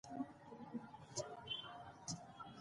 ملالۍ وویل چې شهیده به نه سي.